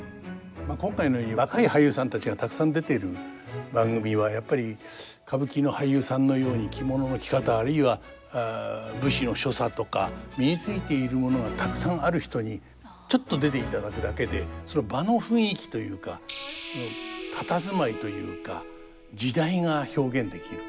今回のように若い俳優さんたちがたくさん出ている番組はやっぱり歌舞伎の俳優さんのように着物の着方あるいは武士の所作とか身についているものがたくさんある人にちょっと出ていただくだけでその場の雰囲気というか佇まいというか時代が表現できる。